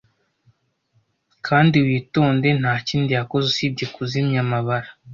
kandi witonde ntakindi yakoze usibye kuzimya amabara